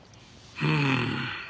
うん。